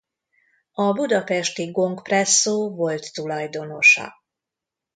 A budapesti Gong presszó volt tulajdonosa.